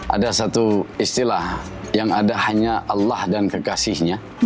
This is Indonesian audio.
ada satu istilah yang ada hanya allah dan kekasihnya